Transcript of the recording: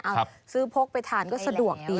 เอาซื้อพกไปทานก็สะดวกดี